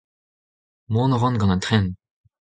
Mont a ran gant an tren.